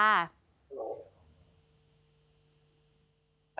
สวัสดีครับ